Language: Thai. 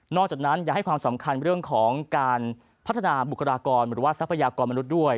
จากนั้นยังให้ความสำคัญเรื่องของการพัฒนาบุคลากรหรือว่าทรัพยากรมนุษย์ด้วย